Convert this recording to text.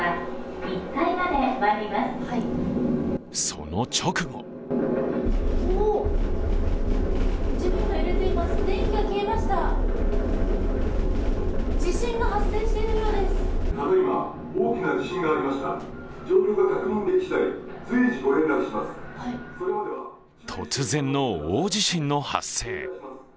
その直後突然の大地震の発生。